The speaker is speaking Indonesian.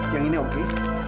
yang ini oke